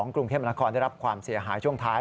กรุงเทพนครได้รับความเสียหายช่วงท้าย